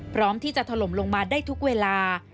พร้อมที่จะถล่มลงมาได้ทุกเวลา